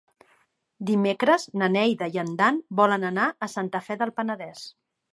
Dimecres na Neida i en Dan volen anar a Santa Fe del Penedès.